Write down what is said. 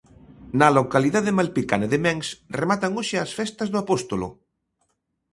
Na localidade malpicana de Mens rematan hoxe as festas do Apóstolo.